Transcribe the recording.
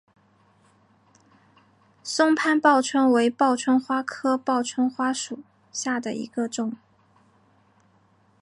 松潘报春为报春花科报春花属下的一个种。